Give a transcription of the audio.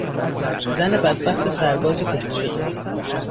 زن بدبخت سرباز کشته شده